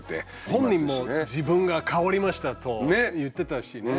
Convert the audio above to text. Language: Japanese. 本人も自分が変わりましたと言ってたしね。